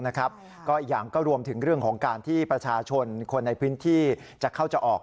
ก็อีกอย่างก็รวมถึงเรื่องของการที่ประชาชนคนในพื้นที่จะเข้าจะออก